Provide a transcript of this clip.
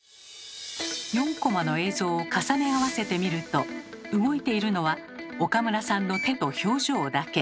４コマの映像を重ね合わせてみると動いているのは岡村さんの手と表情だけ。